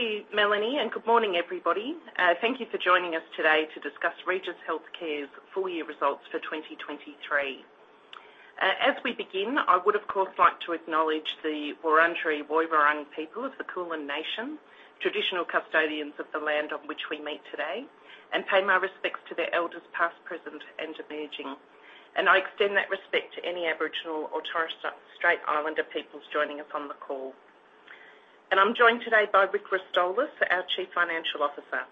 Thank you, Melanie, and good morning, everybody. Thank you for joining us today to discuss Regis Healthcare's full year results for 2023. As we begin, I would, of course, like to acknowledge the Wurundjeri Woi-wurrung people of the Kulin Nation, traditional custodians of the land on which we meet today, and pay my respects to their elders, past, present, and emerging. I extend that respect to any Aboriginal or Torres Strait Islander peoples joining us on the call. I'm joined today by Rick Rostolis, our Chief Financial Officer.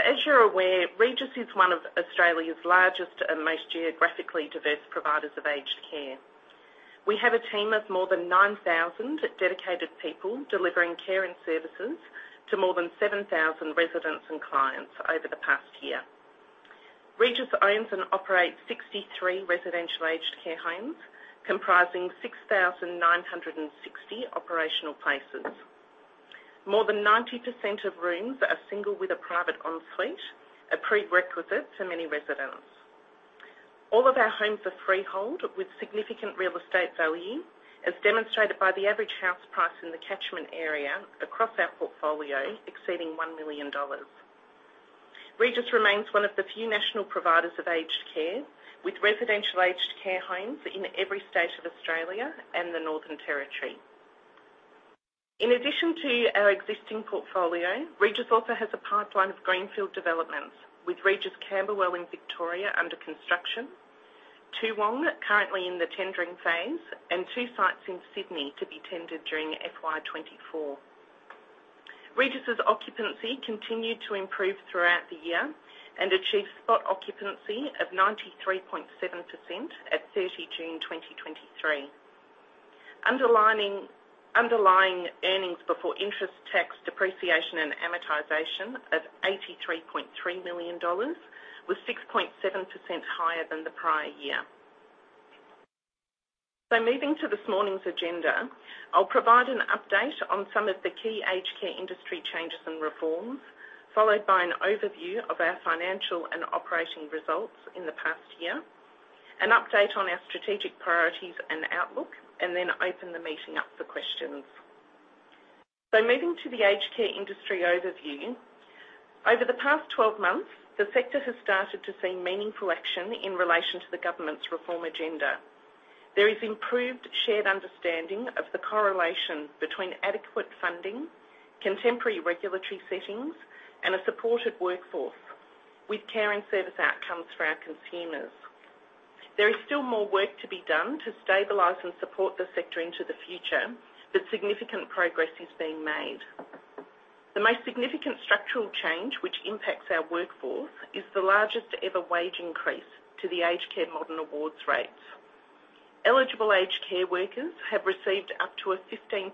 As you're aware, Regis is one of Australia's largest and most geographically diverse providers of aged care. We have a team of more than 9,000 dedicated people delivering care and services to more than 7,000 residents and clients over the past year. Regis owns and operates 63 residential aged care homes, comprising 6,960 operational places. More than 90% of rooms are single with a private ensuite, a prerequisite for many residents. All of our homes are freehold, with significant real estate value, as demonstrated by the average house price in the catchment area across our portfolio, exceeding 1 million dollars. Regis remains one of the few national providers of aged care, with residential aged care homes in every state of Australia and the Northern Territory. In addition to our existing portfolio, Regis also has a pipeline of greenfield developments, with Regis Camberwell in Victoria under construction, Toongabbie currently in the tendering phase, and two sites in Sydney to be tendered during FY 2024. Regis's occupancy continued to improve throughout the year and achieved spot occupancy of 93.7% at 30 June 2023. Underlying earnings before interest, tax, depreciation, and amortization of 83.3 million dollars was 6.7% higher than the prior year. Moving to this morning's agenda, I'll provide an update on some of the key aged care industry changes and reforms, followed by an overview of our financial and operating results in the past year, an update on our strategic priorities and outlook, and then open the meeting up for questions. Moving to the aged care industry overview. Over the past 12 months, the sector has started to see meaningful action in relation to the government's reform agenda. There is improved shared understanding of the correlation between adequate funding, contemporary regulatory settings, and a supported workforce with care and service outcomes for our consumers. There is still more work to be done to stabilize and support the sector into the future, but significant progress is being made. The most significant structural change, which impacts our workforce, is the largest-ever wage increase to the aged care modern awards rates. Eligible aged care workers have received up to a 15%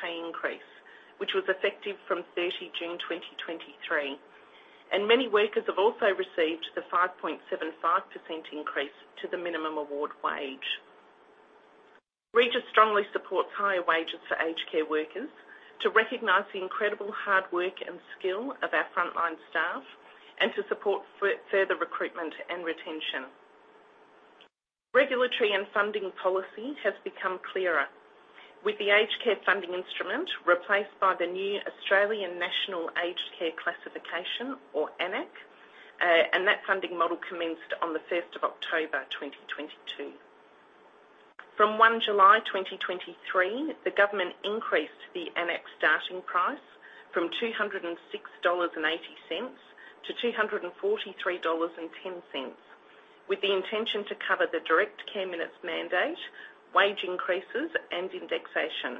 pay increase, which was effective from 30 June 2023, and many workers have also received the 5.75% increase to the minimum award wage. Regis strongly supports higher wages for aged care workers to recognize the incredible hard work and skill of our frontline staff and to support further recruitment and retention. Regulatory and funding policy has become clearer, with the Aged Care Funding Instrument replaced by the new Australian National Aged Care Classification, or AN-ACC, and that funding model commenced on 1 October 2022. From 1 July 2023, the government increased the AN-ACC starting price from 206.80 dollars to 243.10 dollars, with the intention to cover the direct care minutes mandate, wage increases, and indexation.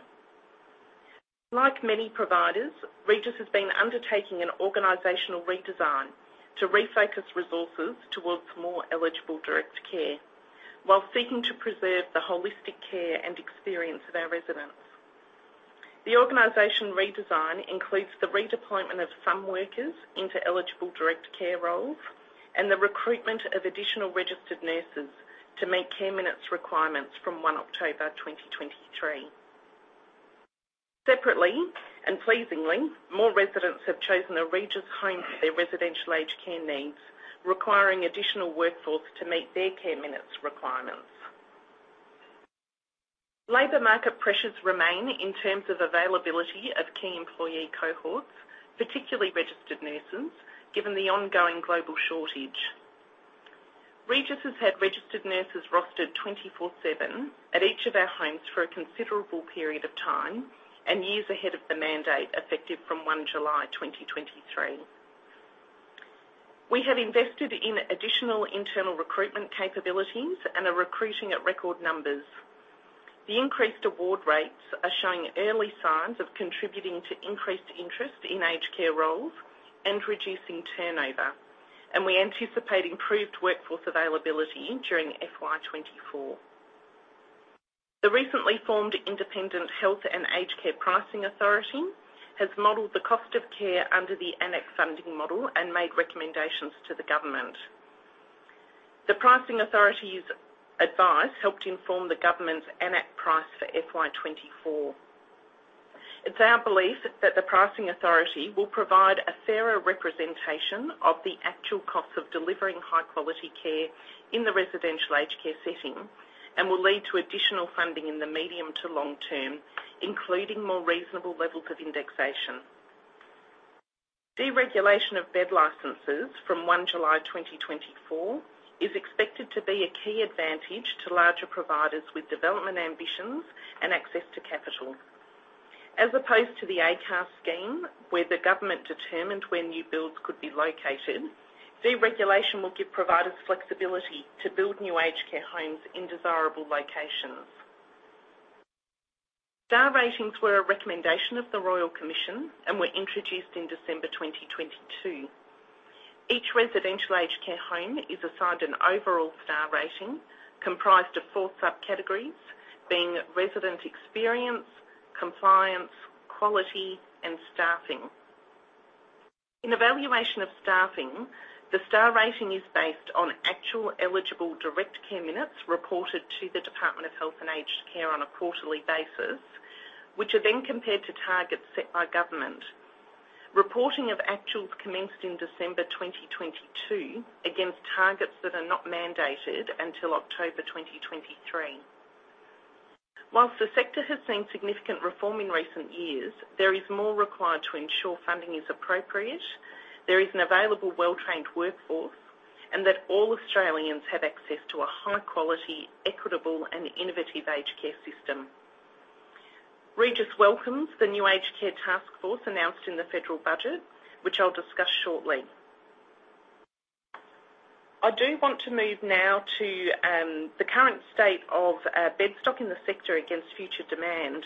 Like many providers, Regis has been undertaking an organizational redesign to refocus resources towards more eligible direct care, while seeking to preserve the holistic care and experience of our residents. The organization redesign includes the redeployment of some workers into eligible direct care roles and the recruitment of additional registered nurses to meet care minutes requirements from 1 October 2023. Separately, and pleasingly, more residents have chosen a Regis home for their residential aged care needs, requiring additional workforce to meet their care minutes requirements. Labor market pressures remain in terms of availability of key employee cohorts, particularly registered nurses, given the ongoing global shortage. Regis has had registered nurses rostered 24/7 at each of our homes for a considerable period of time and years ahead of the mandate, effective from 1 July 2023. We have invested in additional internal recruitment capabilities and are recruiting at record numbers. The increased award rates are showing early signs of contributing to increased interest in aged care roles and reducing turnover, and we anticipate improved workforce availability during FY 2024. The recently formed Independent Health and Aged Care Pricing Authority has modeled the cost of care under the AN-ACC funding model and made recommendations to the government. The Pricing Authority's advice helped inform the government's AN-ACC price for FY 2024. It's our belief that the Pricing Authority will provide a fairer representation of the actual costs of delivering high-quality care in the residential aged care setting. It will lead to additional funding in the medium to long term, including more reasonable levels of indexation. Deregulation of bed licenses from 1 July 2024 is expected to be a key advantage to larger providers with development ambitions and access to capital. As opposed to the AN-ACC scheme, where the government determined where new builds could be located, deregulation will give providers flexibility to build new aged care homes in desirable locations. Star ratings were a recommendation of the Royal Commission and were introduced in December 2022. Each residential aged care home is assigned an overall star rating, comprised of four subcategories, being resident experience, compliance, quality, and staffing. In evaluation of staffing, the star rating is based on actual eligible direct care minutes reported to the Department of Health and Aged Care on a quarterly basis, which are then compared to targets set by government. Reporting of actuals commenced in December 2022, against targets that are not mandated until October 2023. While the sector has seen significant reform in recent years, there is more required to ensure funding is appropriate, there is an available well-trained workforce, and that all Australians have access to a high-quality, equitable, and innovative aged care system. Regis welcomes the new Aged Care Taskforce announced in the federal budget, which I'll discuss shortly. I do want to move now to the current state of bed stock in the sector against future demand.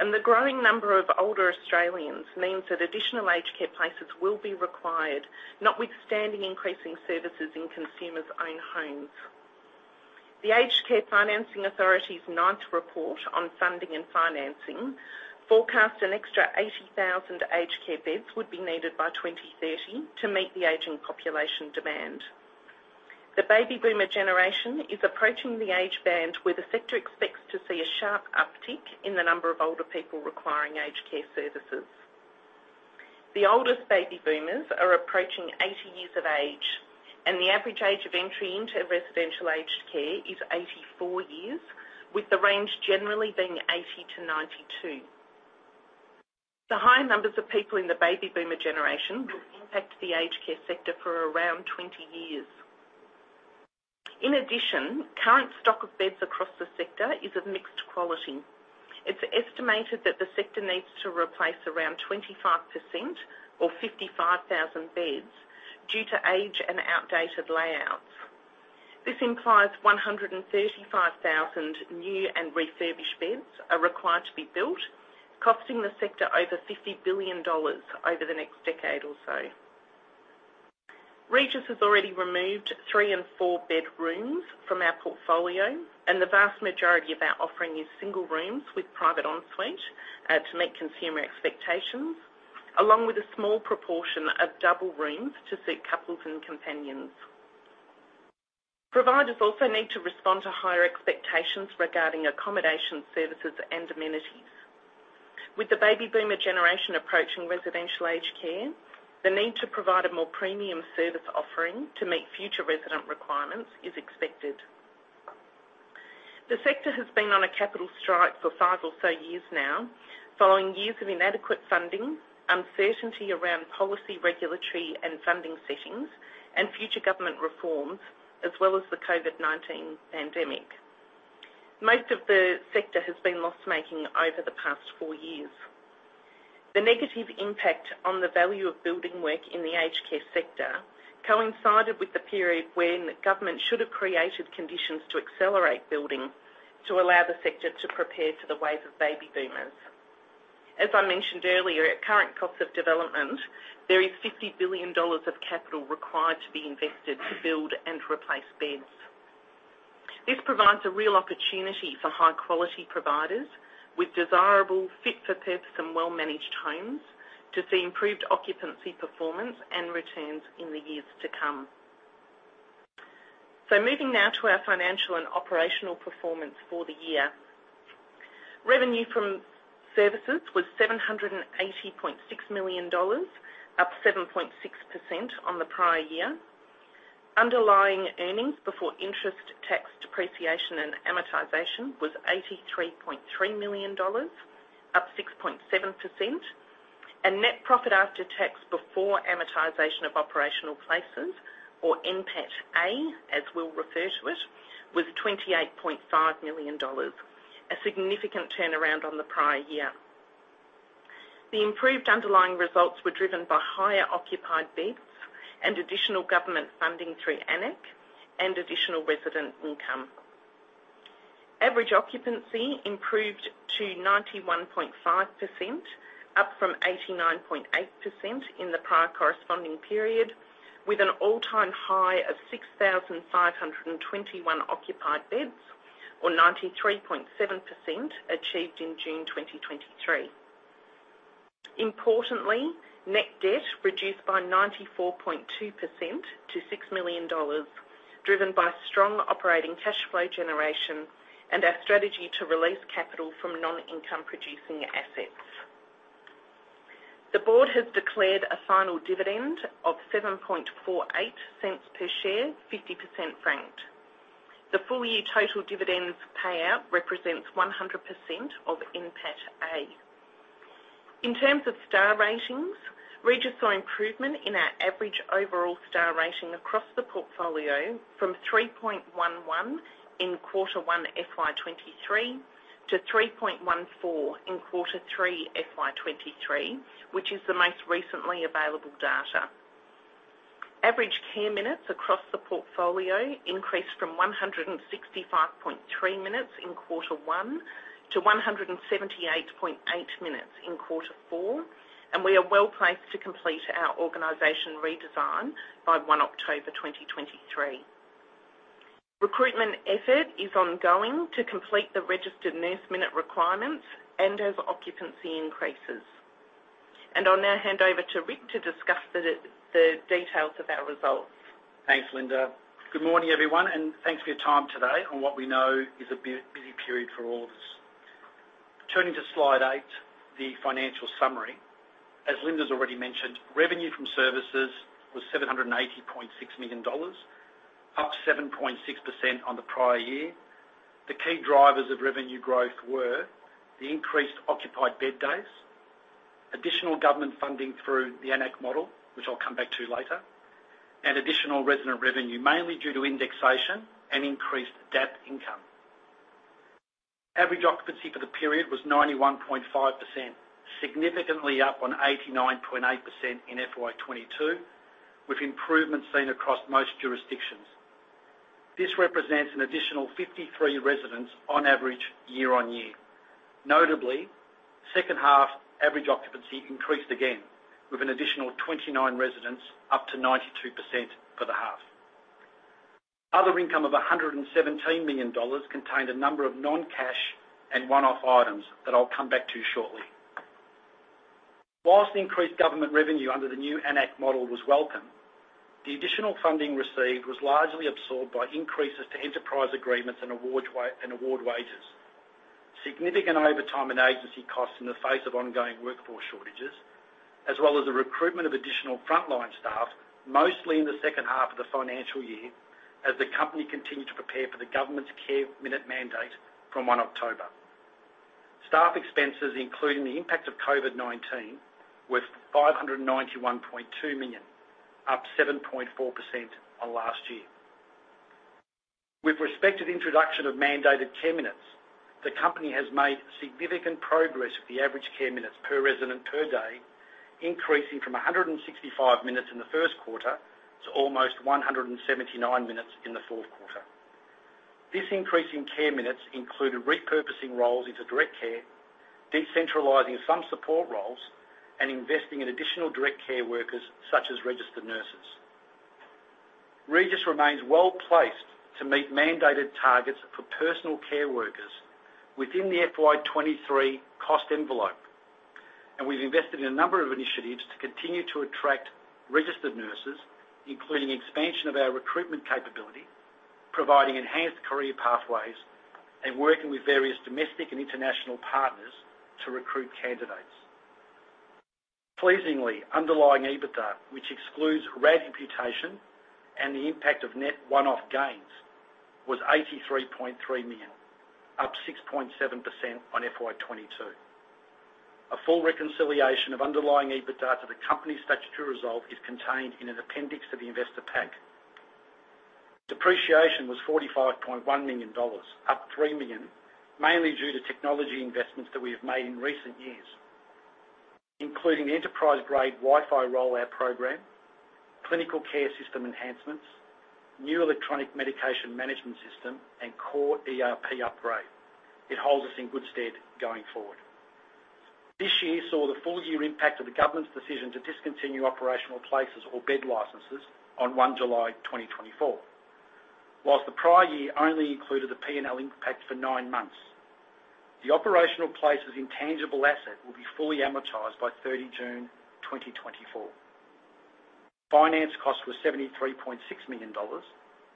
The growing number of older Australians means that additional aged care places will be required, notwithstanding increasing services in consumers' own homes. The Aged Care Financing Authority's ninth report on funding and financing forecast an extra 80,000 aged care beds would be needed by 2030 to meet the aging population demand. The Baby Boomer generation is approaching the age band, where the sector expects to see a sharp uptick in the number of older people requiring aged care services. The oldest Baby Boomers are approaching 80 years of age, and the average age of entry into residential aged care is 84 years, with the range generally being 80-92. The high numbers of people in the Baby Boomer generation will impact the aged care sector for around 20 years. In addition, current stock of beds across the sector is of mixed quality. It's estimated that the sector needs to replace around 25% or 55,000 beds due to age and outdated layouts. This implies 135,000 new and refurbished beds are required to be built, costing the sector over 50 billion dollars over the next decade or so. Regis has already removed three and four bedrooms from our portfolio, and the vast majority of our offering is single rooms with private ensuite to meet consumer expectations, along with a small proportion of double rooms to suit couples and companions. Providers also need to respond to higher expectations regarding accommodation services and amenities. With the baby boomer generation approaching residential aged care, the need to provide a more premium service offering to meet future resident requirements is expected. The sector has been on a capital strike for five or so years now, following years of inadequate funding, uncertainty around policy, regulatory, and funding settings, and future government reforms, as well as the COVID-19 pandemic. Most of the sector has been loss-making over the past four years. The negative impact on the value of building work in the aged care sector coincided with the period when the government should have created conditions to accelerate building to allow the sector to prepare for the wave of baby boomers. As I mentioned earlier, at current cost of development, there is 50 billion dollars of capital required to be invested to build and replace beds. This provides a real opportunity for high-quality providers with desirable, fit-for-purpose, and well-managed homes to see improved occupancy, performance, and returns in the years to come. Moving now to our financial and operational performance for the year. Revenue from services was 780.6 million dollars, up 7.6% on the prior year. Underlying earnings before interest, tax, depreciation, and amortization was 83.3 million dollars, up 6.7%. Net profit after tax, before amortization of operational places, or NPAT-A, as we'll refer to it, was 28.5 million dollars, a significant turnaround on the prior year. The improved underlying results were driven by higher occupied beds and additional government funding through AN-ACC and additional resident income. Average occupancy improved to 91.5%, up from 89.8% in the prior corresponding period, with an all-time high of 6,521 occupied beds, or 93.7%, achieved in June 2023. Importantly, net debt reduced by 94.2% to 6 million dollars, driven by strong operating cash flow generation and our strategy to release capital from non-income producing assets. The board has declared a final dividend of 0.0748 per share, 50% franked. The full year total dividends payout represents 100% of NPAT-A. In terms of star ratings, Regis saw improvement in our average overall star rating across the portfolio from 3.11 in quarter one, FY 2023, to 3.14 in quarter three, FY 2023, which is the most recently available data. Average care minutes across the portfolio increased from 165.3 minutes in quarter one to 178.8 minutes in quarter four, and we are well placed to complete our organization redesign by 1 October 2023. Recruitment effort is ongoing to complete the registered nurse minute requirements and as occupancy increases. I'll now hand over to Rick to discuss the det ails of our results. Thanks, Linda. Good morning, everyone, and thanks for your time today on what we know is a busy period for all of us. Turning to slide eight, the financial summary. As Linda's already mentioned, revenue from services was 780.6 million dollars, up 7.6% on the prior year. The key drivers of revenue growth were: the increased occupied bed days, additional government funding through the AN-ACC model, which I'll come back to later, and additional resident revenue, mainly due to indexation and increased DAP income. Average occupancy for the period was 91.5%, significantly up on 89.8% in FY 2022, with improvements seen across most jurisdictions. This represents an additional 53 residents on average year-on-year. Notably, second half, average occupancy increased again, with an additional 29 residents up to 92% for the half. Other income of 117 million dollars contained a number of non-cash and one-off items that I'll come back to shortly. While increased government revenue under the new AN-ACC model was welcome, the additional funding received was largely absorbed by increases to enterprise agreements and award wages. Significant overtime and agency costs in the face of ongoing workforce shortages, as well as the recruitment of additional frontline staff, mostly in the second half of the financial year, as the company continued to prepare for the government's care minute mandate from 1 October. Staff expenses, including the impact of COVID-19, were 591.2 million, up 7.4% on last year. With respect to the introduction of mandated care minutes, the company has made significant progress with the average care minutes per resident per day, increasing from 165 minutes in the first quarter to almost 179 minutes in the fourth quarter. This increase in care minutes included repurposing roles into direct care, decentralizing some support roles, and investing in additional direct care workers, such as registered nurses. Regis remains well placed to meet mandated targets for personal care workers within the FY 2023 cost envelope, and we've invested in a number of initiatives to continue to attract registered nurses, including expansion of our recruitment capability, providing enhanced career pathways, and working with various domestic and international partners to recruit candidates. Pleasingly, underlying EBITDA, which excludes RAD imputation and the impact of net one-off gains, was 83.3 million, up 6.7% on FY 2022. A full reconciliation of underlying EBITDA to the company's statutory result is contained in an appendix to the investor pack. Depreciation was AUD 45.1 million, up AUD 3 million, mainly due to technology investments that we have made in recent years, including the enterprise-grade Wi-Fi rollout program, clinical care system enhancements, new electronic medication management system, and core ERP upgrade. It holds us in good stead going forward. This year saw the full year impact of the government's decision to discontinue operational places or bed licenses on 1 July 2024. Whilst the prior year only included the P&L impact for nine months, the operational places intangible asset will be fully amortized by 30 June 2024. Finance costs were 73.6 million dollars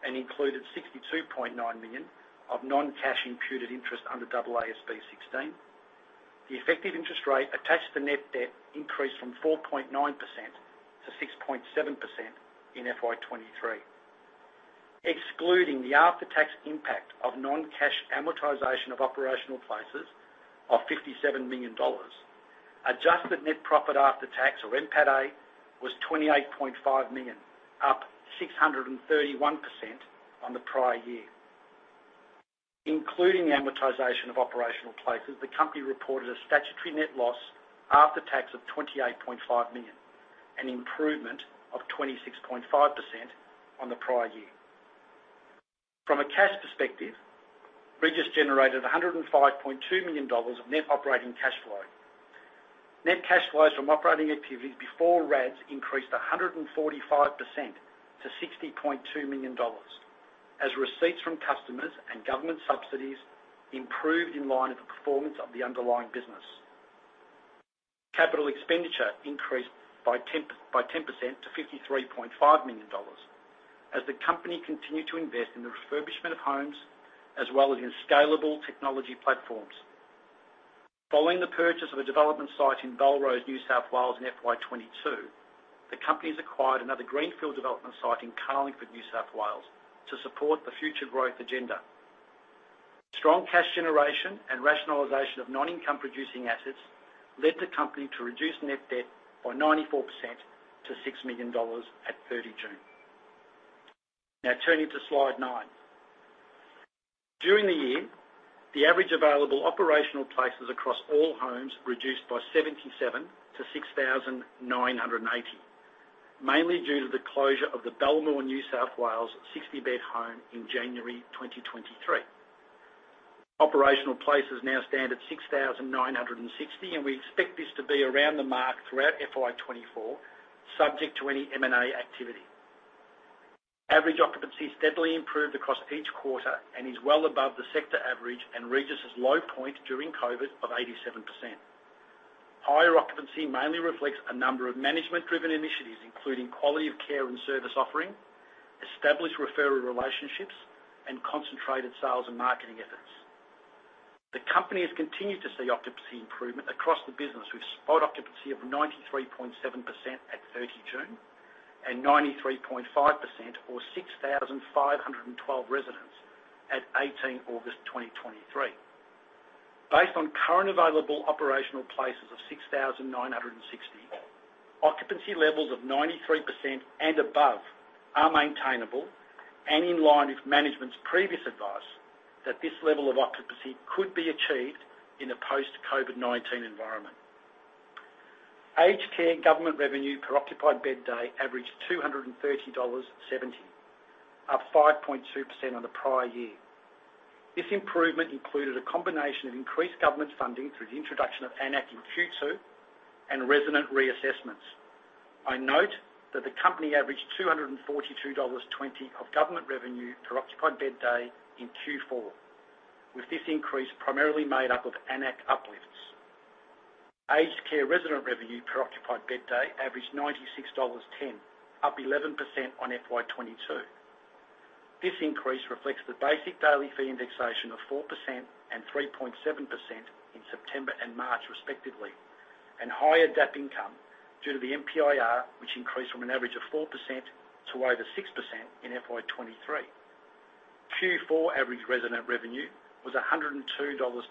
and included 62.9 million of non-cash imputed interest under AASB 16. The effective interest rate attached to net debt increased from 4.9% to 6.7% in FY 2023. Excluding the after-tax impact of non-cash amortization of operational places of 57 million dollars, adjusted net profit after tax, or NPAT-A, was 28.5 million, up 631% on the prior year. Including the amortization of operational places, the company reported a statutory net loss after tax of 28.5 million, an improvement of 26.5% on the prior year. From a cash perspective, Regis generated 105.2 million dollars of net operating cash flow. Net cash flows from operating activities before RADs increased 145% to 60.2 million dollars, as receipts from customers and government subsidies improved in line with the performance of the underlying business. Capital expenditure increased by ten, by 10% to 53.5 million dollars as the company continued to invest in the refurbishment of homes, as well as in scalable technology platforms. Following the purchase of a development site in Belrose, New South Wales, in FY 2022, the company's acquired another greenfield development site in Carlingford, New South Wales, to support the future growth agenda. Strong cash generation and rationalization of non-income producing assets led the company to reduce net debt by 94% to 6 million dollars at 30 June. Now turning to Slide nine. During the year, the average available operational places across all homes reduced by 77 to 6,980, mainly due to the closure of the Belmore, New South Wales, 60-bed home in January 2023. Operational places now stand at 6,960, and we expect this to be around the mark throughout FY 2024, subject to any M&A activity. Average occupancy steadily improved across each quarter and is well above the sector average, and Regis's low point during COVID of 87%. Higher occupancy mainly reflects a number of management-driven initiatives, including quality of care and service offering, established referral relationships, and concentrated sales and marketing efforts. The company has continued to see occupancy improvement across the business, with spot occupancy of 93.7% at 30 June and 93.5%, or 6,512 residents, at 18 August 2023. Based on current available operational places of 6,960, occupancy levels of 93% and above are maintainable and in line with management's previous advice that this level of occupancy could be achieved in a post-COVID-19 environment. Aged care government revenue per occupied bed day averaged 230.70 dollars, up 5.2% on the prior year. This improvement included a combination of increased government funding through the introduction of AN-ACC in Q2, and resident reassessments. I note that the company averaged 242.20 dollars of government revenue per occupied bed day in Q4, with this increase primarily made up of AN-ACC uplifts. Aged care resident revenue per occupied bed day averaged 96.10 dollars, up 11% on FY 2022. This increase reflects the basic daily fee indexation of 4% and 3.7% in September and March, respectively, and higher DAP income due to the MPIR, which increased from an average of 4% to over 6% in FY 2023. Q4 average resident revenue was 102.20 dollars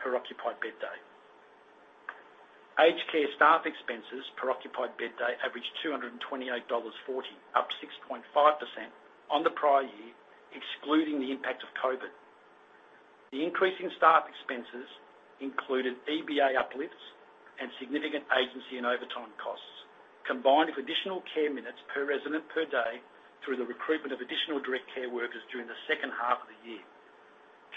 per occupied bed day. Aged care staff expenses per occupied bed day averaged 228.40 dollars, up 6.5% on the prior year, excluding the impact of COVID. The increase in staff expenses included EBA uplifts and significant agency and overtime costs, combined with additional care minutes per resident per day through the recruitment of additional direct care workers during the second half of the year.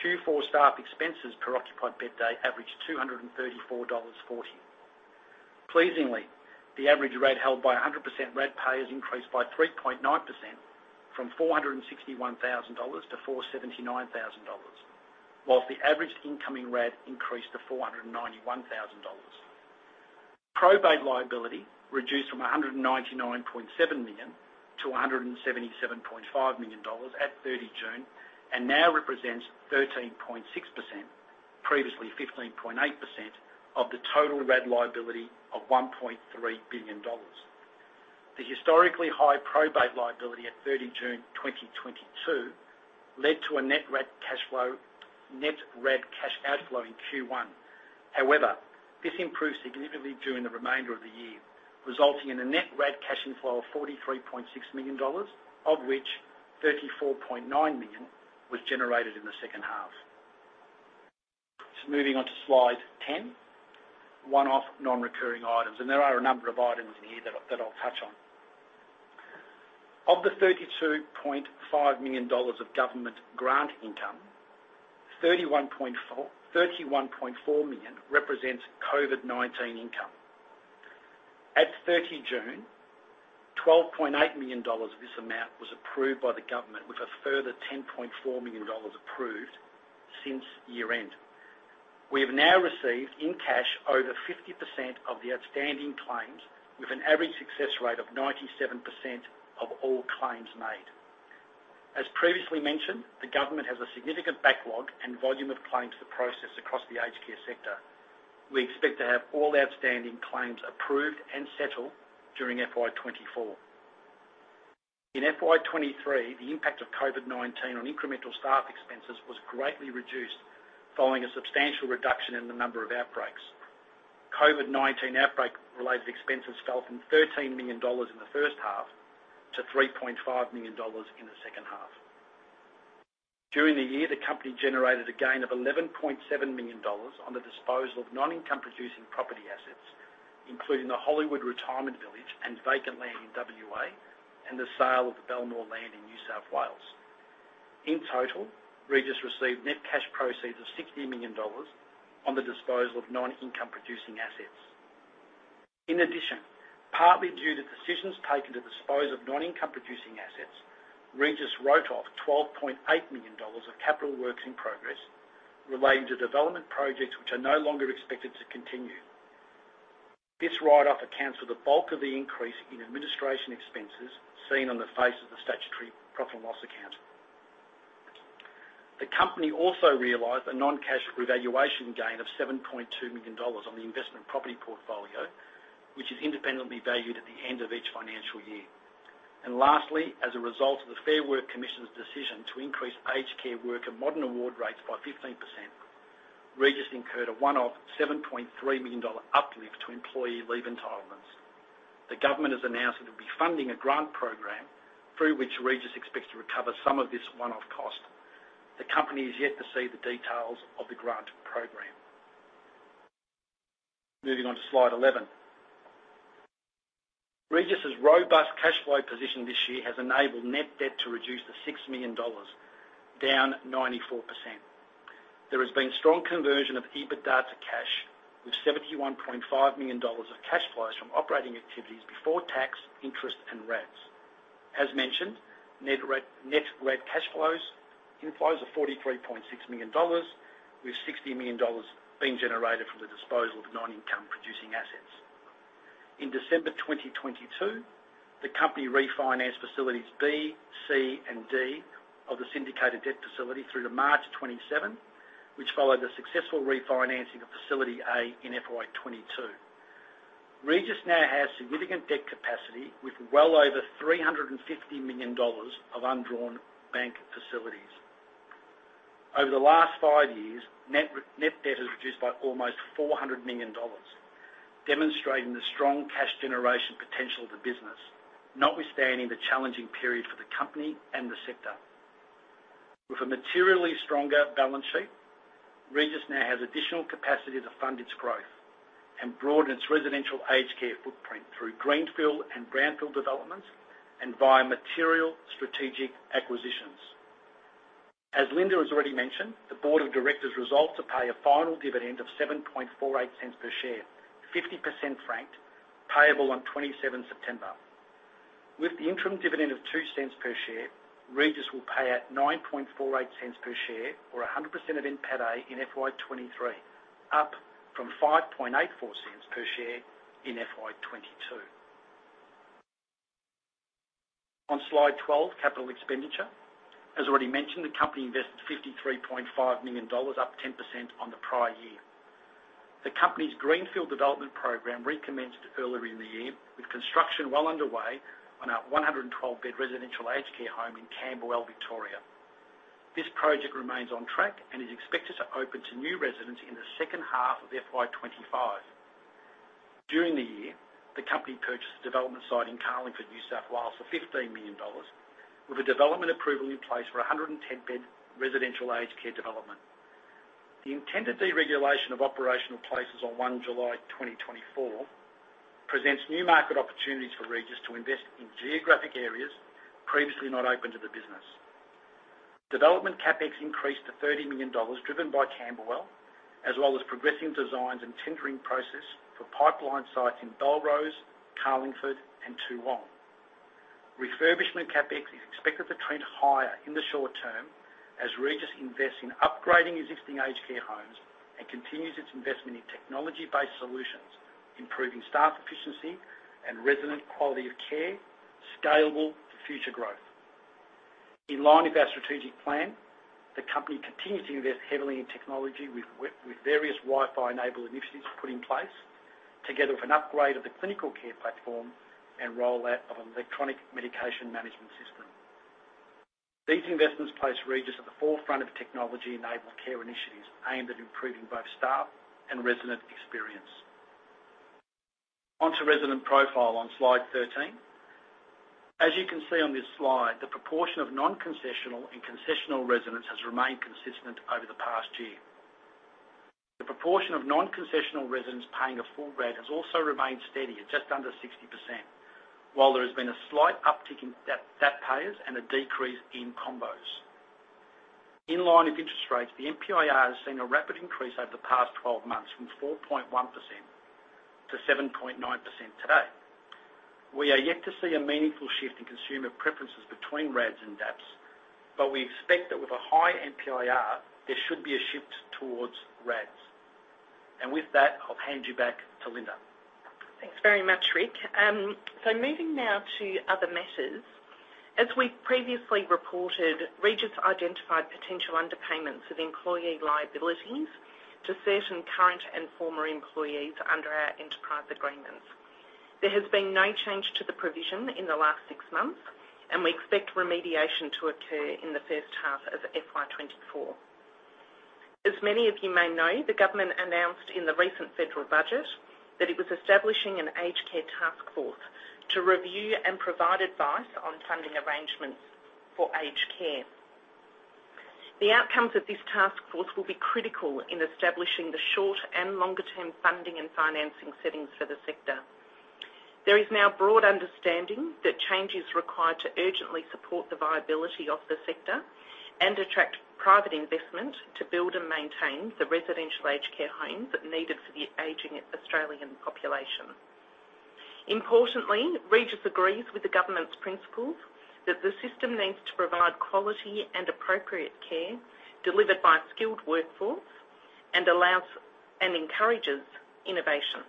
Q4 staff expenses per occupied bed day averaged 234.40 dollars. Pleasingly, the average RAD held by 100% RAD payers increased by 3.9% from 461,000 dollars to 479,000 dollars, whilst the average incoming RAD increased to 491,000 dollars. Probate liability reduced from 199.7 million to 177.5 million dollars at 30 June, and now represents 13.6%, previously 15.8%, of the total RAD liability of 1.3 billion dollars. The historically high probate liability at 30 June 2022 led to a net RAD cash outflow in Q1. However, this improved significantly during the remainder of the year, resulting in a net RAD cash inflow of 43.6 million dollars, of which 34.9 million was generated in the second half. So moving on to Slide 10, one-off non-recurring items, and there are a number of items in here that I'll touch on. Of the 32.5 million dollars of government grant income, 31.4 million represents COVID-19 income. At 30 June, 12.8 million dollars of this amount was approved by the government, with a further 10.4 million dollars approved since year-end. We have now received in cash over 50% of the outstanding claims, with an average success rate of 97% of all claims made. As previously mentioned, the government has a significant backlog and volume of claims to process across the aged care sector. We expect to have all outstanding claims approved and settled during FY 2024. In FY 2023, the impact of COVID-19 on incremental staff expenses was greatly reduced following a substantial reduction in the number of outbreaks. COVID-19 outbreak-related expenses fell from 13 million dollars in the first half to 3.5 million dollars in the second half. During the year, the company generated a gain of 11.7 million dollars on the disposal of non-income producing property assets, including the Hollywood Retirement Village and vacant land in WA, and the sale of the Belmore land in New South Wales. In total, Regis received net cash proceeds of AUD 60 million on the disposal of non-income producing assets. In addition, partly due to decisions taken to dispose of non-income producing assets, Regis wrote off 12.8 million dollars of capital works in progress relating to development projects which are no longer expected to continue. This write-off accounts for the bulk of the increase in administration expenses seen on the face of the statutory profit and loss account. The company also realized a non-cash revaluation gain of 7.2 million dollars on the investment property portfolio, which is independently valued at the end of each financial year. And lastly, as a result of the Fair Work Commission's decision to increase aged care worker modern award rates by 15%, Regis incurred a one-off 7.3 million dollar uplift to employee leave entitlements. The government has announced that it will be funding a grant program through which Regis expects to recover some of this one-off cost. The company is yet to see the details of the grant program. Moving on to slide 11. Regis's robust cash flow position this year has enabled net debt to reduce to 6 million dollars, down 94%. There has been strong conversion of EBITDA to cash, with 71.5 million dollars of cash flows from operating activities before tax, interest, and RADs. As mentioned, net RAD cash flows inflows are 43.6 million dollars, with 60 million dollars being generated from the disposal of non-income producing assets. In December 2022, the company refinanced Facilities B, C, and D of the syndicated debt facility through to March 2027, which followed the successful refinancing of Facility A in FY 2022. Regis now has significant debt capacity, with well over 350 million dollars of undrawn bank facilities. Over the last five years, net debt has reduced by almost 400 million dollars, demonstrating the strong cash generation potential of the business, notwithstanding the challenging period for the company and the sector. With a materially stronger balance sheet, Regis now has additional capacity to fund its growth and broaden its residential aged care footprint through greenfield and brownfield developments and via material strategic acquisitions. As Linda has already mentioned, the board of directors resolved to pay a final dividend of 0.0748 per share, 50% franked, payable on 27 September. With the interim dividend of 0.02 per share, Regis will pay out 0.0948 per share or 100% of NPAT-A in FY 2023, up from 0.0584 per share in FY 2022. On Slide 12, capital expenditure. As already mentioned, the company invested 53.5 million dollars, up 10% on the prior year. The company's greenfield development program recommenced earlier in the year, with construction well underway on our 112-bed residential aged care home in Camberwell, Victoria. This project remains on track and is expected to open to new residents in the second half of FY 2025. During the year, the company purchased a development site in Carlingford, New South Wales, for 15 million dollars, with a development approval in place for a 110-bed residential aged care development. The intended deregulation of operational places on 1 July 2024 presents new market opportunities for Regis to invest in geographic areas previously not open to the business. Development CapEx increased to 30 million dollars, driven by Camberwell, as well as progressing designs and tendering process for pipeline sites in Belrose, Carlingford, and Toongabbie. Refurbishment CapEx is expected to trend higher in the short term as Regis invests in upgrading existing aged care homes and continues its investment in technology-based solutions, improving staff efficiency and resident quality of care, scalable for future growth. In line with our strategic plan, the company continues to invest heavily in technology with with various Wi-Fi-enabled initiatives put in place, together with an upgrade of the clinical care platform and rollout of an electronic medication management system. These investments place Regis at the forefront of technology-enabled care initiatives aimed at improving both staff and resident experience. Onto resident profile on slide 13. As you can see on this slide, the proportion of non-concessional and concessional residents has remained consistent over the past year. The proportion of non-concessional residents paying a full RAD has also remained steady at just under 60%, while there has been a slight uptick in DAP payers and a decrease in combos. In line with interest rates, the MPIR has seen a rapid increase over the past 12 months, from 4.1% to 7.9% today. We are yet to see a meaningful shift in consumer preferences between RADs and DAPs, but we expect that with a high MPIR, there should be a shift towards RADs. And with that, I'll hand you back to Linda. Thanks very much, Rick. So moving now to other matters. As we previously reported, Regis identified potential underpayments of employee liabilities to certain current and former employees under our enterprise agreements. There has been no change to the provision in the last six months, and we expect remediation to occur in the first half of FY 2024. As many of you may know, the government announced in the recent federal budget that it was establishing an Aged Care Taskforce to review and provide advice on funding arrangements for aged care. The outcomes of this Taskforce will be critical in establishing the short and longer-term funding and financing settings for the sector. There is now broad understanding that change is required to urgently support the viability of the sector and attract private investment to build and maintain the residential aged care homes needed for the aging Australian population. Importantly, Regis agrees with the government's principles, that the system needs to provide quality and appropriate care delivered by a skilled workforce, and allows and encourages innovation.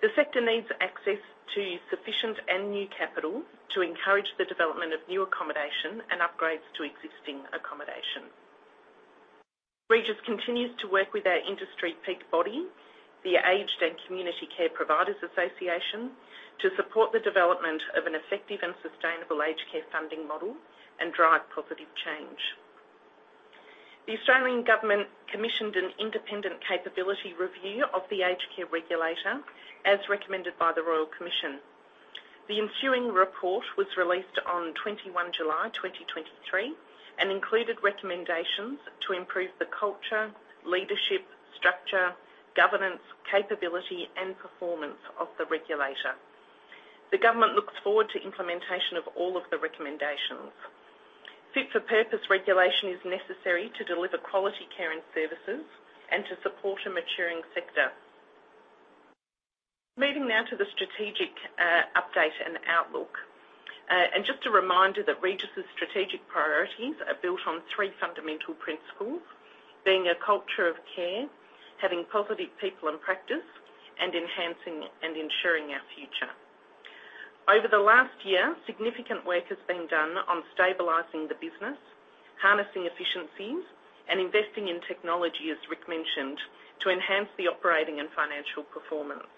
The sector needs access to sufficient and new capital to encourage the development of new accommodation and upgrades to existing accommodation. Regis continues to work with our industry peak body, the Aged and Community Care Providers Association, to support the development of an effective and sustainable aged care funding model and drive positive change. The Australian government commissioned an independent capability review of the aged care regulator, as recommended by the Royal Commission. The ensuing report was released on 21 July 2023, and included recommendations to improve the culture, leadership, structure, governance, capability, and performance of the regulator. The government looks forward to implementation of all of the recommendations. Fit-for-purpose regulation is necessary to deliver quality care and services and to support a maturing sector. Moving now to the strategic update and outlook. And just a reminder that Regis's strategic priorities are built on three fundamental principles, being a culture of care, having positive people and practice, and enhancing and ensuring our future. Over the last year, significant work has been done on stabilizing the business, harnessing efficiencies, and investing in technology, as Rick mentioned, to enhance the operating and financial performance.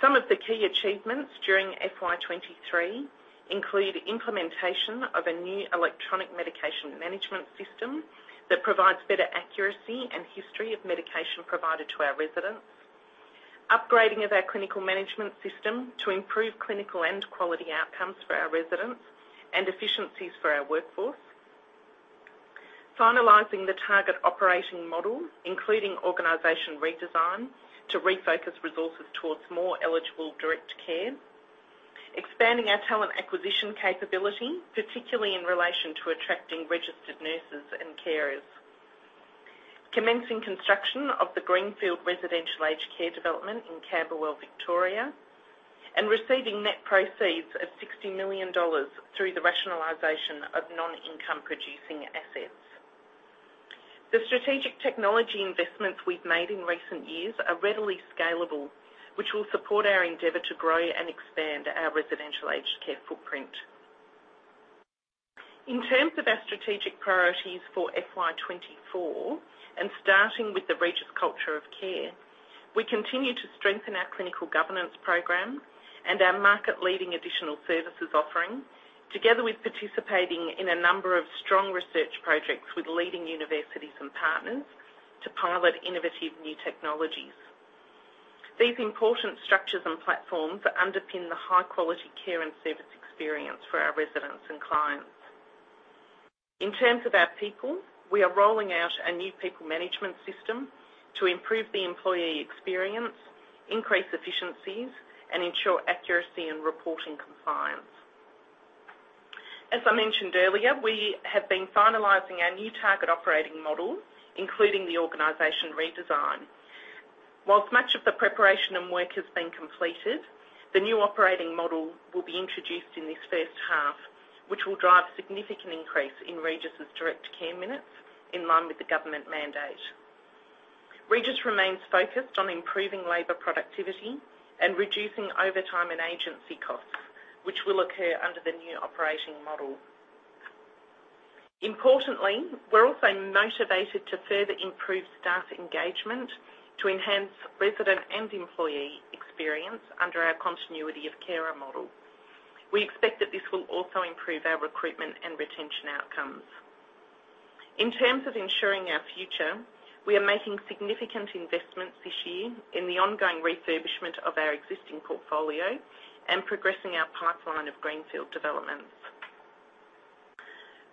Some of the key achievements during FY 2023 include implementation of a new electronic medication management system that provides better accuracy and history of medication provided to our residents. Upgrading of our clinical management system to improve clinical and quality outcomes for our residents and efficiencies for our workforce. Finalizing the target operating model, including organization redesign, to refocus resources towards more eligible direct care. Expanding our talent acquisition capability, particularly in relation to attracting registered nurses and carers. Commencing construction of the Greenfield Residential Aged Care Development in Camberwell, Victoria, and receiving net proceeds of 60 million dollars through the rationalization of non-income producing assets. The strategic technology investments we've made in recent years are readily scalable, which will support our endeavor to grow and expand our residential aged care footprint. In terms of our strategic priorities for FY 2024, and starting with the Regis culture of care, we continue to strengthen our clinical governance program and our market-leading additional services offering, together with participating in a number of strong research projects with leading universities and partners to pilot innovative new technologies. These important structures and platforms underpin the high-quality care and service experience for our residents and clients. In terms of our people, we are rolling out a new people management system to improve the employee experience, increase efficiencies, and ensure accuracy in reporting compliance. As I mentioned earlier, we have been finalizing our new target operating model, including the organization redesign. While much of the preparation and work has been completed, the new operating model will be introduced in this first half, which will drive significant increase in Regis's direct care minutes in line with the government mandate. Regis remains focused on improving labor productivity and reducing overtime and agency costs, which will occur under the new operating model. Importantly, we're also motivated to further improve staff engagement to enhance resident and employee experience under our continuity of carer model. We expect that this will also improve our recruitment and retention outcomes. In terms of ensuring our future, we are making significant investments this year in the ongoing refurbishment of our existing portfolio and progressing our pipeline of greenfield developments.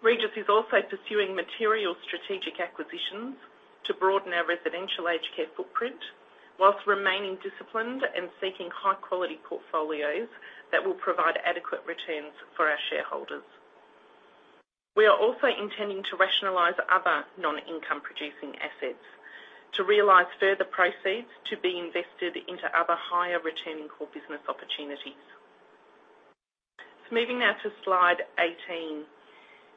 Regis is also pursuing material strategic acquisitions to broaden our residential aged care footprint, whilst remaining disciplined and seeking high-quality portfolios that will provide adequate returns for our shareholders. We are also intending to rationalize other non-income producing assets to realize further proceeds to be invested into other higher returning core business opportunities. So moving now to Slide 18.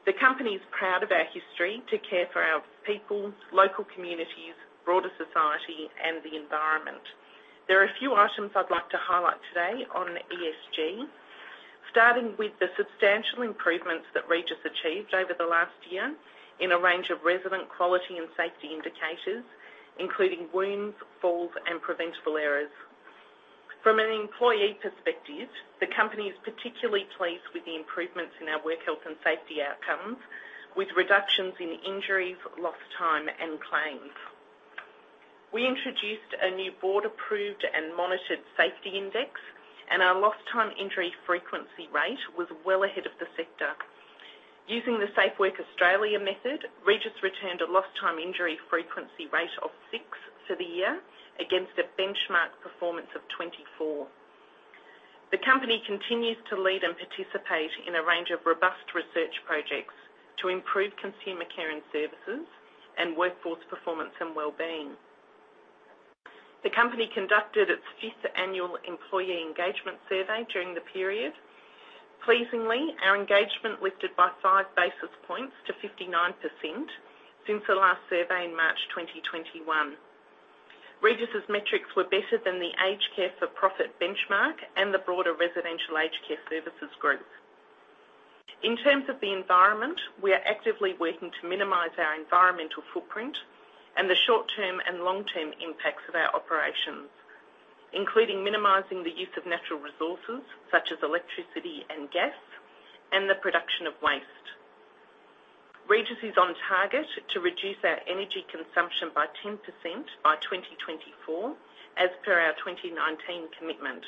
The company is proud of our history to care for our people, local communities, broader society, and the environment. There are a few items I'd like to highlight today on ESG, starting with the substantial improvements that Regis achieved over the last year in a range of resident quality and safety indicators, including wounds, falls, and preventable errors. From an employee perspective, the company is particularly pleased with the improvements in our work health and safety outcomes, with reductions in injuries, lost time, and claims. We introduced a new board-approved and monitored safety index, and our lost time injury frequency rate was well ahead of the sector. Using the Safe Work Australia method, Regis returned a lost time injury frequency rate of 6 for the year, against a benchmark performance of 24. The company continues to lead and participate in a range of robust research projects to improve consumer care and services, and workforce performance and well-being. The company conducted its fifth annual employee engagement survey during the period. Pleasingly, our engagement lifted by 5 basis points to 59% since the last survey in March 2021. Regis's metrics were better than the aged care for-profit benchmark and the broader residential aged care services group. In terms of the environment, we are actively working to minimize our environmental footprint and the short-term and long-term impacts of our operations, including minimizing the use of natural resources, such as electricity and gas, and the production of waste. Regis is on target to reduce our energy consumption by 10% by 2024, as per our 2019 commitment.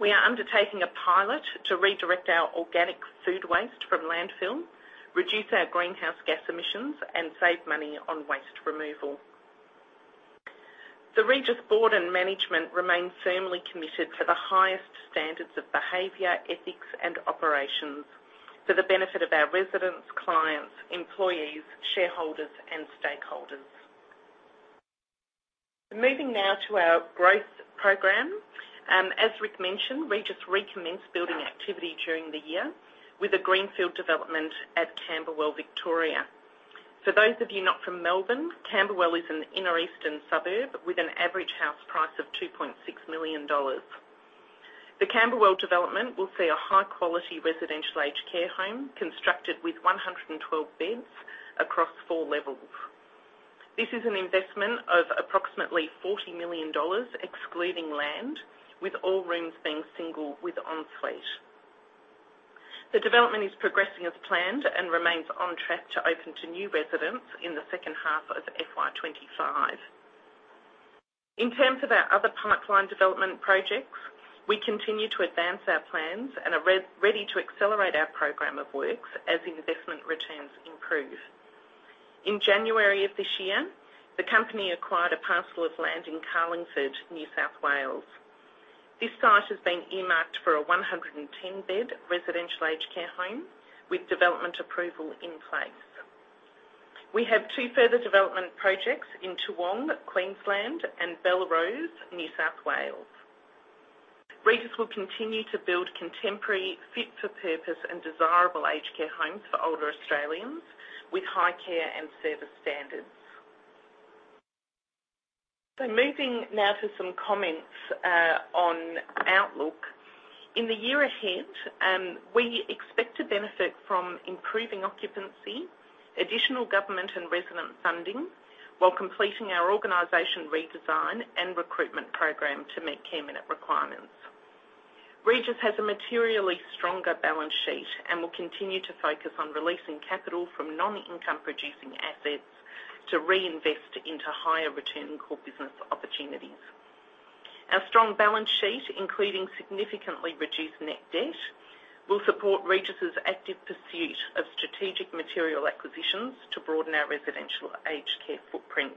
We are undertaking a pilot to redirect our organic food waste from landfill, reduce our greenhouse gas emissions, and save money on waste removal. The Regis board and management remain firmly committed to the highest standards of behavior, ethics, and operations for the benefit of our residents, clients, employees, shareholders, and stakeholders. Moving now to our growth program. As Rick mentioned, Regis recommenced building activity during the year with a greenfield development at Camberwell, Victoria. For those of you not from Melbourne, Camberwell is an inner eastern suburb with an average house price of 2.6 million dollars. The Camberwell development will see a high-quality residential aged care home constructed with 112 beds across four levels. This is an investment of approximately 40 million dollars, excluding land, with all rooms being single with ensuite. The development is progressing as planned and remains on track to open to new residents in the second half of FY 2025. In terms of our other pipeline development projects, we continue to advance our plans and are ready to accelerate our program of works as investment returns improve. In January of this year, the company acquired a parcel of land in Carlingford, New South Wales. This site has been earmarked for a 110-bed residential aged care home with development approval in place. We have two further development projects in Toowong, Queensland and Belrose, New South Wales. Regis will continue to build contemporary, fit-for-purpose, and desirable aged care homes for older Australians with high care and service standards. So moving now to some comments, on outlook. In the year ahead, we expect to benefit from improving occupancy, additional government and resident funding, while completing our organization redesign and recruitment program to meet care minute requirements. Regis has a materially stronger balance sheet and will continue to focus on releasing capital from non-income producing assets to reinvest into higher return core business opportunities. Our strong balance sheet, including significantly reduced net debt, will support Regis' active pursuit of strategic material acquisitions to broaden our residential aged care footprint.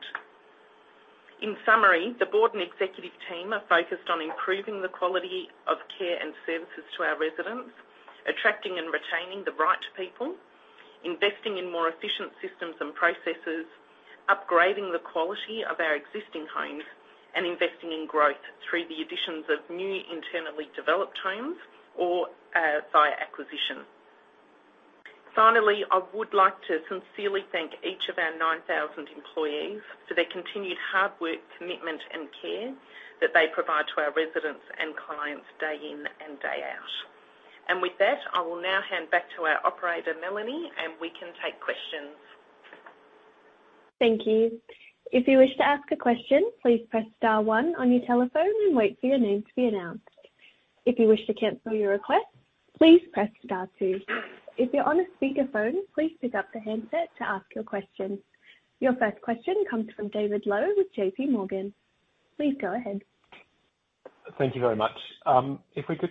In summary, the board and executive team are focused on improving the quality of care and services to our residents, attracting and retaining the right people, investing in more efficient systems and processes, upgrading the quality of our existing homes, and investing in growth through the additions of new internally developed homes or by acquisition. Finally, I would like to sincerely thank each of our 9,000 employees for their continued hard work, commitment, and care that they provide to our residents and clients day in and day out. With that, I will now hand back to our operator, Melanie, and we can take questions. Thank you. If you wish to ask a question, please press star one on your telephone and wait for your name to be announced. If you wish to cancel your request, please press star two. If you're on a speakerphone, please pick up the handset to ask your question. Your first question comes from David Low with JPMorgan. Please go ahead. Thank you very much. If we could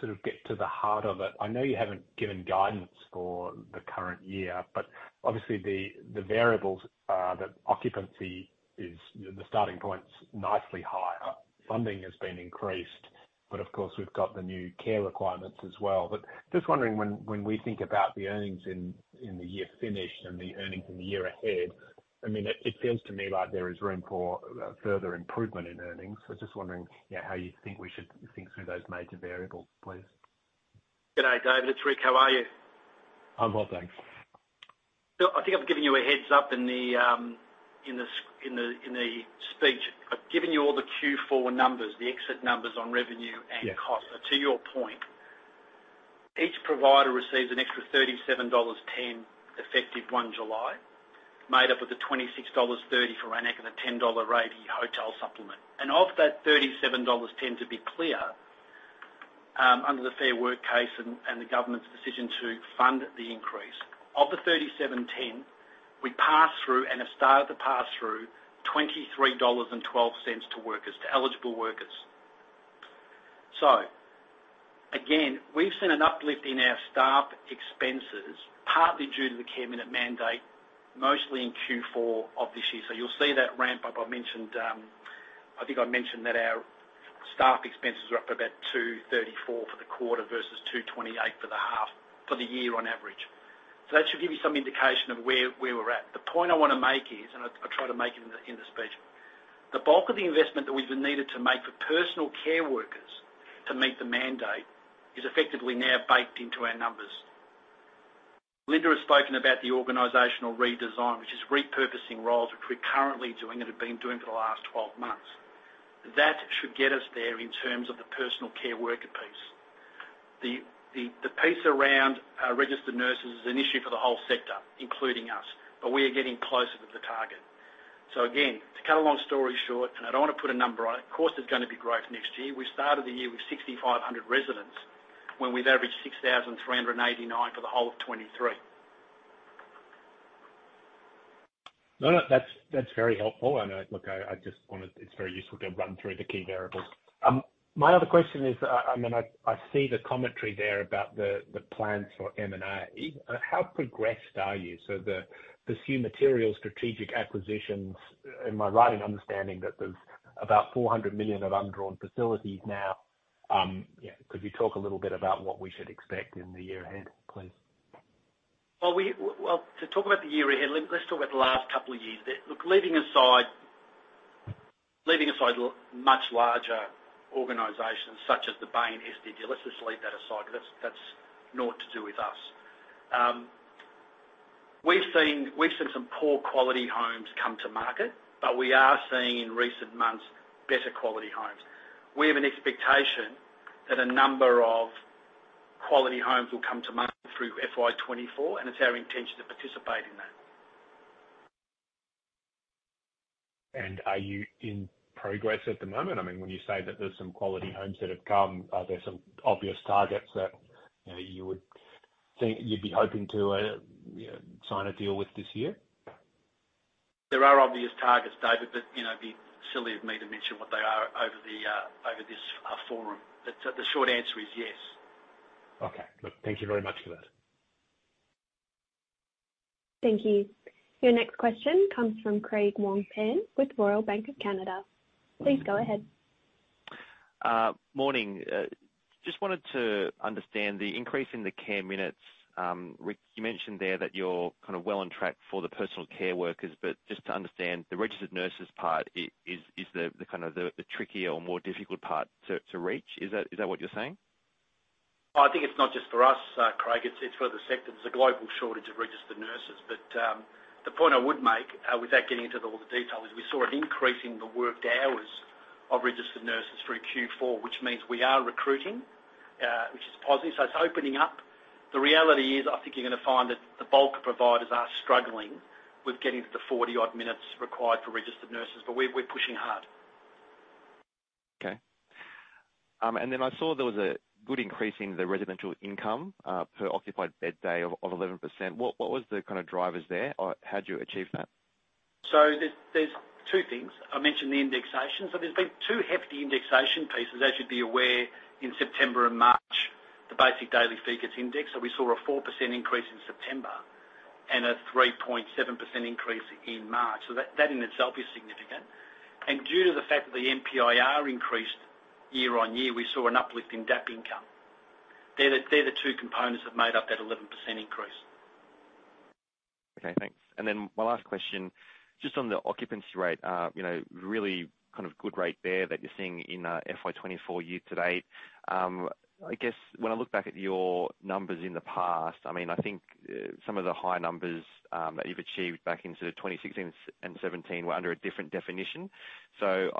just sort of get to the heart of it. I know you haven't given guidance for the current year, but obviously, the, the variables are that occupancy is... the starting point's nicely higher. Funding has been increased, but of course, we've got the new care requirements as well. But just wondering, when, when we think about the earnings in, in the year finished and the earnings in the year ahead, I mean, it, it seems to me like there is room for further improvement in earnings. So just wondering, yeah, how you think we should think through those major variables, please. Good day, David. It's Rick. How are you? I'm well, thanks. I think I've given you a heads up in the speech. I've given you all the Q4 numbers, the exit numbers on revenue and cost. Yes. To your point, each provider receives an extra 37.10 dollars, effective 1 July, made up of the 26.30 dollars for AN-ACC and the 10.80 hotel supplement. Of that 37.10 dollars, to be clear, under the Fair Work case and the government's decision to fund the increase, of the 37.10, we pass through and have started to pass through AUD 23.12 to workers to eligible workers. So Again, we've seen an uplift in our staff expenses, partly due to the care minute mandate, mostly in Q4 of this year. So you'll see that ramp up. I mentioned, I think I mentioned that our staff expenses are up about 234 for the quarter versus 228 for the half, for the year on average. So that should give you some indication of where, where we're at. The point I want to make is, and I, I try to make it in the, in the speech. The bulk of the investment that we've been needed to make for personal care workers to meet the mandate is effectively now baked into our numbers. Linda has spoken about the organizational redesign, which is repurposing roles, which we're currently doing and have been doing for the last 12 months. That should get us there in terms of the personal care worker piece. The piece around registered nurses is an issue for the whole sector, including us, but we are getting closer to the target. So again, to cut a long story short, and I don't want to put a number on it, of course, there's going to be growth next year. We started the year with 6,500 residents, when we've averaged 6,389 for the whole of 2023. No, no, that's, that's very helpful. And, look, I, I just wanted. It's very useful to run through the key variables. My other question is, I mean, I, I see the commentary there about the, the plans for M&A. How progressed are you? So the, the few material strategic acquisitions, am I right in understanding that there's about 400 million of undrawn facilities now? Yeah, could you talk a little bit about what we should expect in the year ahead, please? Well, to talk about the year ahead, let's talk about the last couple of years. Look, leaving aside much larger organizations such as the Bain Capital, let's just leave that aside. That's naught to do with us. We've seen some poor quality homes come to market, but we are seeing in recent months, better quality homes. We have an expectation that a number of quality homes will come to market through FY 2024, and it's our intention to participate in that. Are you in progress at the moment? I mean, when you say that there's some quality homes that have come, are there some obvious targets that, you know, you would think you'd be hoping to, you know, sign a deal with this year? There are obvious targets, David, but, you know, it'd be silly of me to mention what they are over this forum. But the short answer is yes. Okay, look, thank you very much for that. Thank you. Your next question comes from Craig Wong-Pan with Royal Bank of Canada. Please go ahead. Morning. Just wanted to understand the increase in the care minutes. Rick, you mentioned there that you're kind of well on track for the personal care workers, but just to understand, the registered nurses part is the kind of trickier or more difficult part to reach? Is that what you're saying? I think it's not just for us, Craig, it's for the sector. There's a global shortage of registered nurses. But, the point I would make, without getting into all the detail, is we saw an increase in the worked hours of registered nurses through Q4, which means we are recruiting, which is positive, so it's opening up. The reality is, I think you're going to find that the bulk of providers are struggling with getting to the 40-odd minutes required for registered nurses, but we're pushing hard. Okay. And then I saw there was a good increase in the residential income per occupied bed day of 11%. What was the kind of drivers there, or how'd you achieve that? So there's, there's two things. I mentioned the indexation. So there's been two hefty indexation pieces. As you'd be aware, in September and March, the basic daily fee gets indexed, so we saw a 4% increase in September and a 3.7% increase in March. So that, that in itself is significant. And due to the fact that the MPIR increased year-on-year, we saw an uplift in DAP income. They're the, they're the two components that made up that 11% increase. Okay, thanks. And then my last question, just on the occupancy rate, you know, really kind of good rate there that you're seeing in, FY 2024 year to date. I guess when I look back at your numbers in the past, I mean, I think, some of the high numbers, that you've achieved back into 2016 and 2017 were under a different definition. So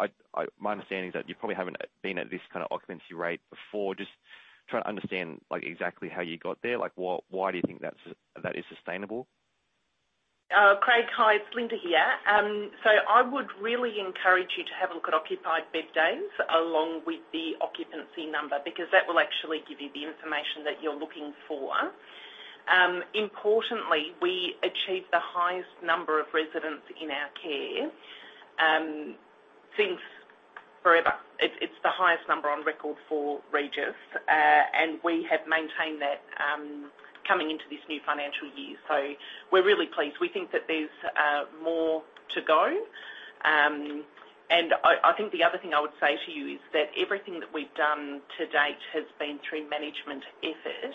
my understanding is that you probably haven't, been at this kind of occupancy rate before. Just trying to understand, like, exactly how you got there. Like, why do you think that's, that is sustainable? Craig, hi, it's Linda here. So I would really encourage you to have a look at occupied bed days along with the occupancy number, because that will actually give you the information that you're looking for. Importantly, we achieved the highest number of residents in our care, since forever. It's, it's the highest number on record for Regis, and we have maintained that, coming into this new financial year. So we're really pleased. We think that there's, more to go. And I, I think the other thing I would say to you is that everything that we've done to date has been through management effort.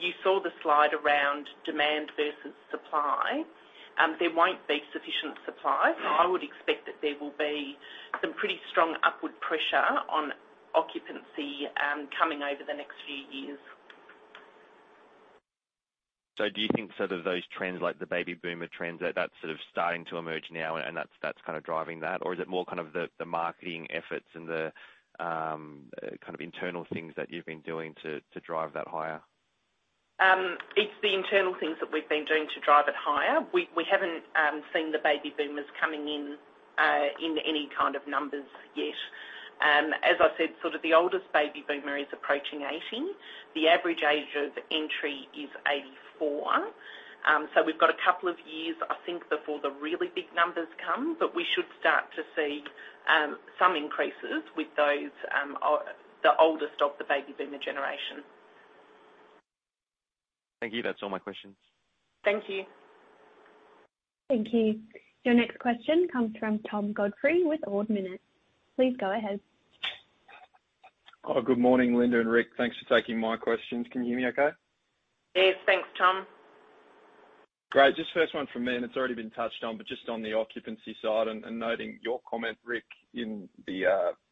You saw the slide around demand versus supply. There won't be sufficient supply, so I would expect that there will be some pretty strong upward pressure on occupancy, coming over the next few years. So do you think, so that those trends, like the baby boomer trends, that that's sort of starting to emerge now, and that's, that's kind of driving that? Or is it more kind of the, the marketing efforts and the, kind of internal things that you've been doing to, to drive that higher? It's the internal things that we've been doing to drive it higher. We haven't seen the baby boomers coming in in any kind of numbers yet. As I said, sort of the oldest baby boomer is approaching 80. The average age of entry is 84. So we've got a couple of years, I think, before the really big numbers come, but we should start to see some increases with those, the oldest of the baby boomer generation. Thank you. That's all my questions. Thank you. Thank you. Your next question comes from Tom Godfrey with Ord Minnett. Please go ahead. Oh, good morning, Linda and Rick. Thanks for taking my questions. Can you hear me okay? Yes. Thanks, Tom. Great. Just first one from me, and it's already been touched on, but just on the occupancy side and, and noting your comment, Rick, in the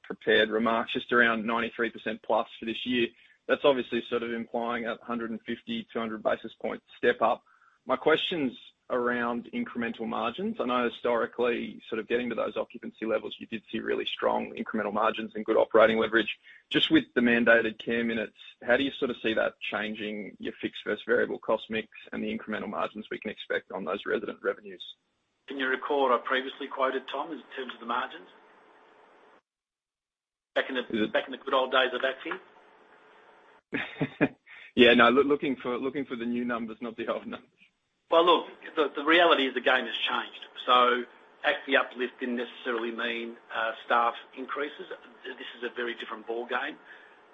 prepared remarks, just around 93%+ for this year, that's obviously sort of implying a 150-200 basis point step up. My question's around incremental margins. I know historically, sort of getting to those occupancy levels, you did see really strong incremental margins and good operating leverage. Just with the mandated care minutes, how do you sort of see that changing your fixed versus variable cost mix and the incremental margins we can expect on those resident revenues? Can you recall, I previously quoted Tom in terms of the margins? Back in the good old days of ACFI? Yeah, no. Looking for, looking for the new numbers, not the old numbers. Well, look, the reality is the game has changed, so ACFI uplift didn't necessarily mean staff increases. This is a very different ballgame.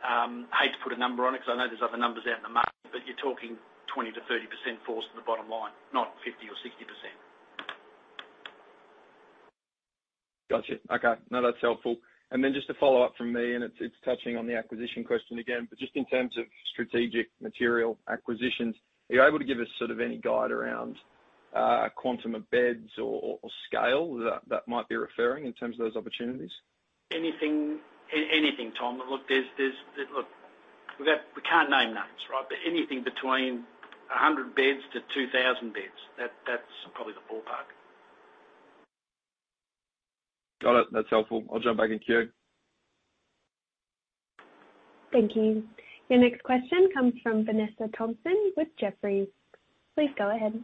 I hate to put a number on it, 'cause I know there's other numbers out in the market, but you're talking 20%-30% falls to the bottom line, not 50% or 60%. Gotcha. Okay. No, that's helpful. And then just a follow-up from me, and it's touching on the acquisition question again, but just in terms of strategic material acquisitions, are you able to give us sort of any guide around quantum of beds or scale that might be referring in terms of those opportunities? Anything, Tom. Look, there's. Look, we can't name names, right? But anything between 100 beds to 2,000 beds, that's probably the ballpark. Got it. That's helpful. I'll jump back in queue. Thank you. Your next question comes from Vanessa Thomson with Jefferies. Please go ahead.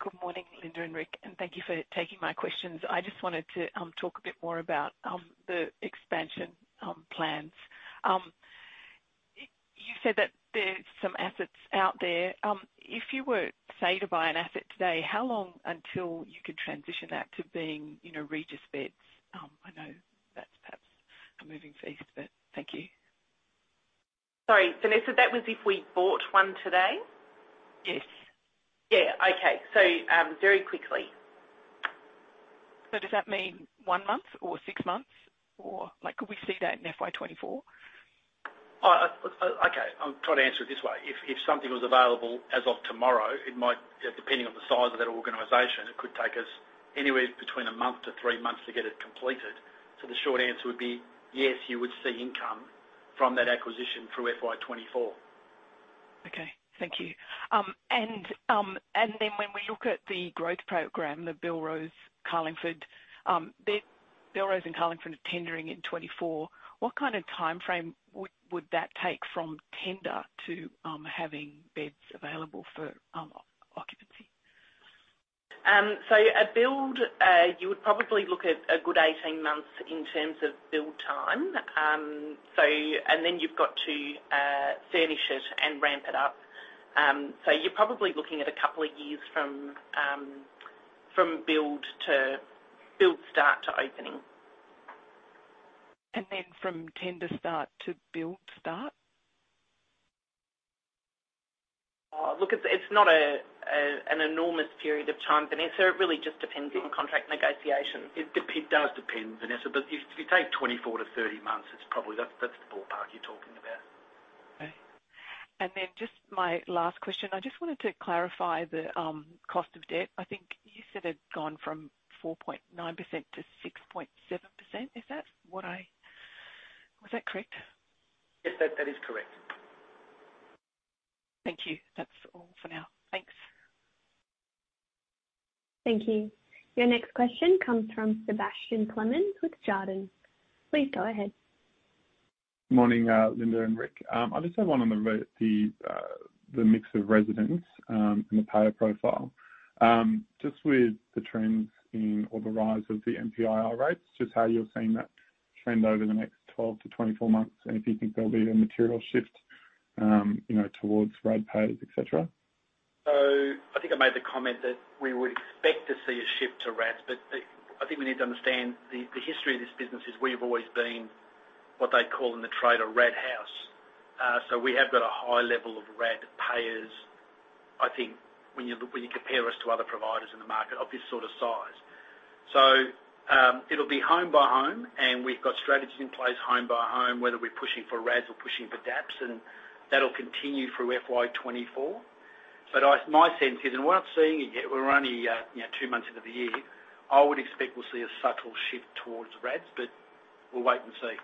Good morning, Linda and Rick, and thank you for taking my questions. I just wanted to talk a bit more about the expansion plans. You said that there's some assets out there. If you were, say, to buy an asset today, how long until you could transition that to being, you know, Regis beds? I know that's perhaps a moving feast, but thank you. Sorry, Vanessa, that was if we bought one today? Yes. Yeah. Okay. So, very quickly. So does that mean one month or six months, or, like, could we see that in FY 2024? Okay, I'll try to answer it this way: if something was available as of tomorrow, it might, depending on the size of that organization, it could take us anywhere between a month to three months to get it completed. So the short answer would be yes, you would see income from that acquisition through FY 2024. Okay. Thank you. And then when we look at the growth program, the Belrose, Carlingford, the Belrose and Carlingford are tendering in 2024, what kind of timeframe would that take from tender to having beds available for occupancy? So a build, you would probably look at a good 18 months in terms of build time. So, and then you've got to furnish it and ramp it up. So you're probably looking at a couple of years from build start to opening. And then from tender start to build start? Look, it's not an enormous period of time, Vanessa. It really just depends on contract negotiations. It does depend, Vanessa, but if, if you take 24-30 months, it's probably that's, that's the ballpark you're talking about. Okay. And then just my last question, I just wanted to clarify the cost of debt. I think you said it'd gone from 4.9% to 6.7%. Is that what I Was that correct? Yes, that is correct. Thank you. That's all for now. Thanks. Thank you. Your next question comes from Sebastian Clemens with Jarden. Please go ahead. Morning, Linda and Rick. I just have one on the mix of residents and the payer profile. Just with the trends in or the rise of the MPIR rates, just how you're seeing that trend over the next 12-24 months, and if you think there'll be a material shift, you know, towards RAD payers, et cetera. So I think I made the comment that we would expect to see a shift to RADs, but I think we need to understand the history of this business is we've always been what they call in the trade a RAD house. So we have got a high level of RAD payers, I think, when you compare us to other providers in the market of this sort of size. So it'll be home by home, and we've got strategies in place, home by home, whether we're pushing for RADs or pushing for DAPs, and that'll continue through FY 2024. But my sense is, and we're not seeing it yet, we're only, you know, two months into the year, I would expect we'll see a subtle shift towards RADs, but we'll wait and see.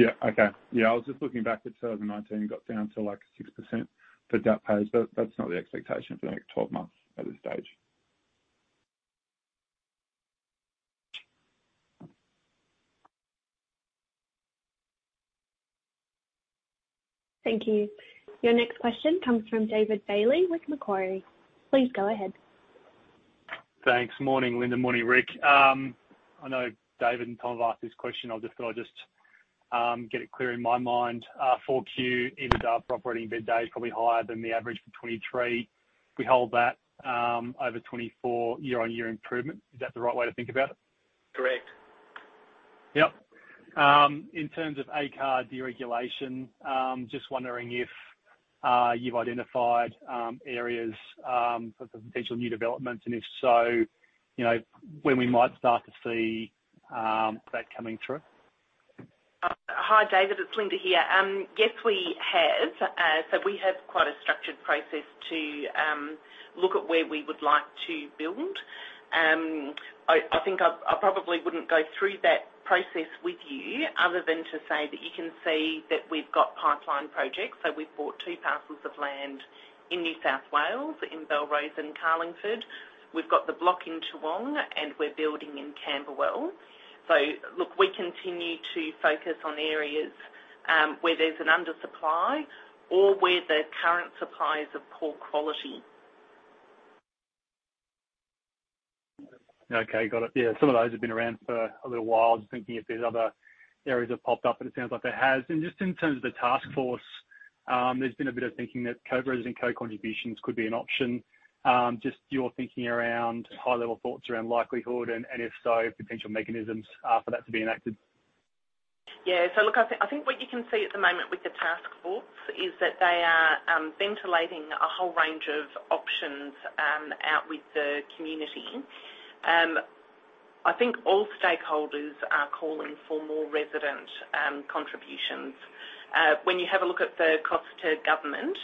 Yeah. Okay. Yeah, I was just looking back to 2019, got down to, like, 6% for DAP payers, but that's not the expectation for the next 12 months at this stage. Thank you. Your next question comes from David Bailey with Macquarie. Please go ahead. Thanks. Morning, Linda. Morning, Rick. I know David and Tom asked this question. I just thought I'd just get it clear in my mind. Q4 EBITDA for operating bed days, probably higher than the average for 2023. We hold that over 2024 year-on-year improvement. Is that the right way to think about it? Correct. Yep. In terms of ACAR deregulation, just wondering if you've identified areas for potential new developments, and if so, you know, when we might start to see that coming through? Hi, David, it's Linda here. Yes, we have. So we have quite a structured process to look at where we would like to build. I think I probably wouldn't go through that process with you other than to say that you can see that we've got pipeline projects. So we've bought two parcels of land in New South Wales, in Belrose and Carlingford. We've got the block in Toongabbie, and we're building in Camberwell. So look, we continue to focus on areas where there's an undersupply or where the current supply is of poor quality. Okay, got it. Yeah, some of those have been around for a little while. I was thinking if there's other areas that popped up, but it sounds like there has. And just in terms of the task force, there's been a bit of thinking that co-residing co-contributions could be an option. Just your thinking around high-level thoughts around likelihood, and if so, potential mechanisms for that to be enacted. Yeah. So look, I think, I think what you can see at the moment with the Aged Care Taskforce is that they are ventilating a whole range of options out with the community. I think all stakeholders are calling for more resident contributions. When you have a look at the cost to government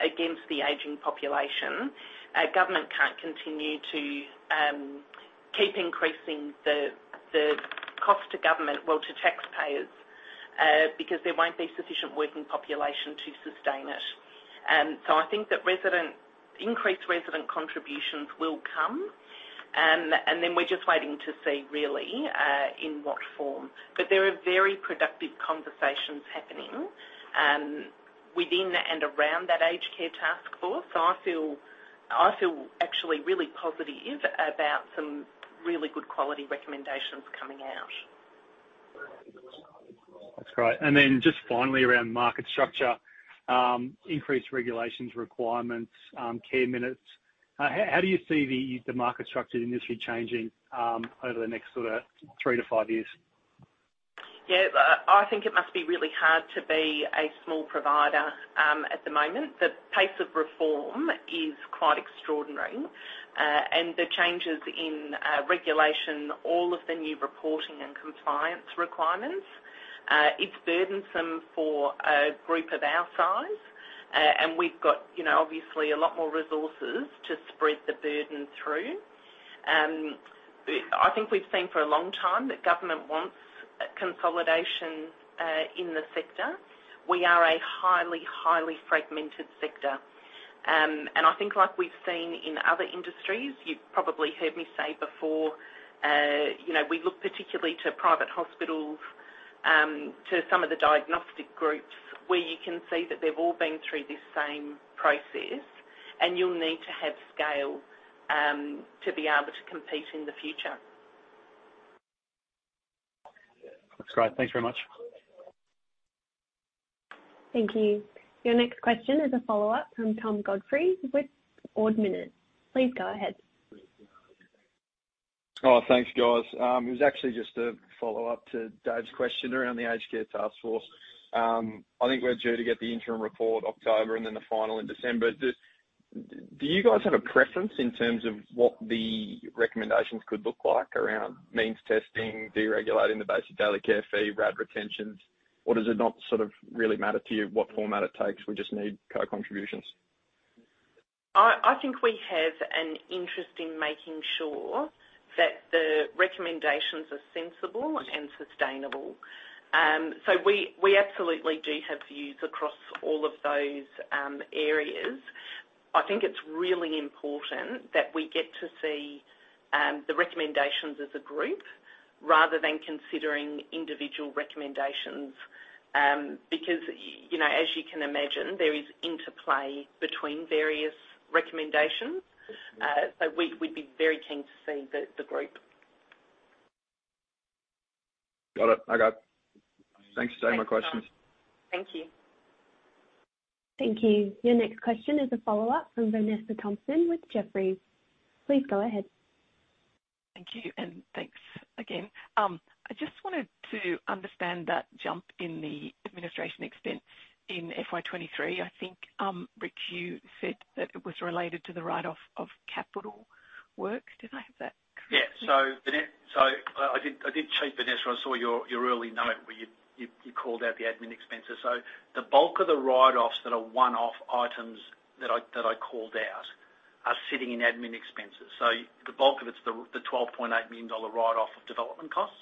against the aging population, a government can't continue to keep increasing the, the cost to government, well, to taxpayers, because there won't be sufficient working population to sustain it. So I think that resident increased resident contributions will come, and then we're just waiting to see really in what form. But there are very productive conversations happening within and around that Aged Care Taskforce. So I feel, I feel actually really positive about some really good quality recommendations coming out. That's great. And then just finally, around market structure, increased regulations, requirements, care minutes. How do you see the market structure industry changing over the next sort of three to five years? Yeah, I think it must be really hard to be a small provider at the moment. The pace of reform is quite extraordinary, and the changes in regulation, all of the new reporting and compliance requirements, it's burdensome for a group of our size. And we've got, you know, obviously a lot more resources to spread the burden through. I think we've seen for a long time that government wants consolidation in the sector. We are a highly, highly fragmented sector. And I think like we've seen in other industries, you've probably heard me say before, you know, we look particularly to private hospitals, to some of the diagnostic groups where you can see that they've all been through this same process, and you'll need to have scale to be able to compete in the future. That's great. Thanks very much. Thank you. Your next question is a follow-up from Tom Godfrey with Ord Minnett. Please go ahead. Oh, thanks, guys. It was actually just a follow-up to David question around the Aged Care Taskforce. I think we're due to get the interim report October, and then the final in December. Do you guys have a preference in terms of what the recommendations could look like around means testing, deregulating the basic daily care fee, RAD retentions, or does it not sort of really matter to you what format it takes, we just need co-contributions? I think we have an interest in making sure that the recommendations are sensible and sustainable. So we absolutely do have views across all of those areas. I think it's really important that we get to see the recommendations as a group rather than considering individual recommendations, because you know, as you can imagine, there is interplay between various recommendations. So we'd be very keen to see the group. Got it. I got it. Thanks for taking my questions. Thank you. Thank you. Your next question is a follow-up from Vanessa Thomson with Jefferies. Please go ahead. Thank you, and thanks again. I just wanted to understand that jump in the administration expense in FY 2023. I think, Rick, you said that it was related to the write-off of capital work. Did I have that correct? Yeah. So, Van-- so I did, I did check, Vanessa. I saw your, your early note where you, you, you called out the admin expenses. So the bulk of the write-offs that are one-off items that I, that I called out, are sitting in admin expenses. So the bulk of it is the, the 12.8 million dollar write-off of development costs,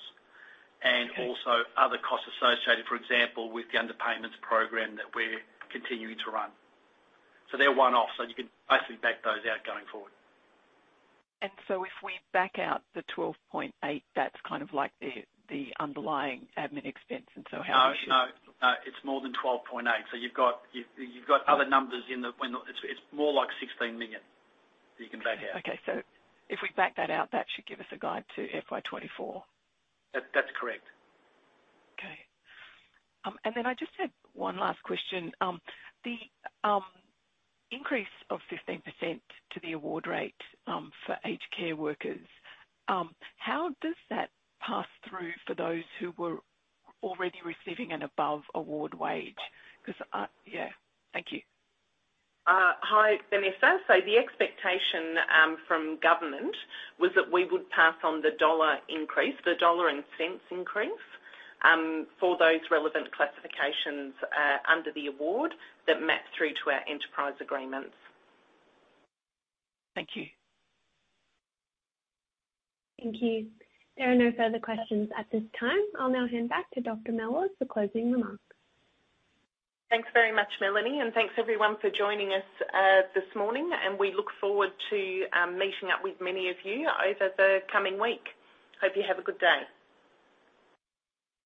and also other costs associated, for example, with the underpayments program that we're continuing to run. So they're one-off, so you can basically back those out going forward. And so if we back out the 12.8, that's kind of like the, the underlying admin expense, and so how much is- No, no. It's more than 12.8. So you've got other numbers in the. It's more like 16 million that you can back out. Okay. So if we back that out, that should give us a guide to FY 2024? That, that's correct. Okay. And then I just had one last question. The increase of 15% to the award rate for aged care workers, how does that pass through for those who were already receiving an above award wage? Because, yeah. Thank you. Hi, Vanessa. So the expectation from government was that we would pass on the dollar increase, the dollar and cents increase, for those relevant classifications under the award that map through to our enterprise agreements. Thank you. Thank you. There are no further questions at this time. I'll now hand back to Dr. Mellors for closing remarks. Thanks very much, Melanie, and thanks, everyone, for joining us this morning, and we look forward to meeting up with many of you over the coming week. Hope you have a good day.